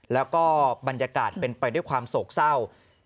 แล้วก็บรรยากาศเป็นไปด้วยความโศกเศร้า